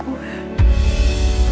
pada hari ini